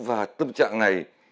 và tâm trạng này